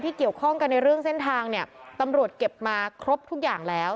เกี่ยวข้องกันในเรื่องเส้นทางเนี่ยตำรวจเก็บมาครบทุกอย่างแล้ว